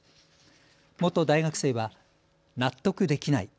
元大学生は、納得できない。